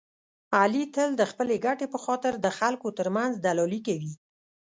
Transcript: علي تل د خپلې ګټې په خاطر د خلکو ترمنځ دلالي کوي.